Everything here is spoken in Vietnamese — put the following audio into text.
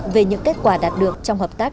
về những kết quả đạt được trong hợp tác